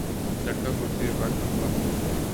لڑکا کرسی پہ بیٹھا ہوا ہے۔